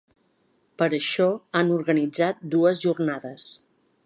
Per això han organitzat dues jornades.